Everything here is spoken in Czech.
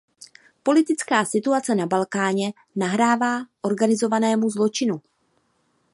Politická situace na Balkáně nahrává organizovanému zločinu.